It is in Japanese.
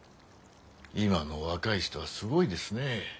今の若い人はすごいですね。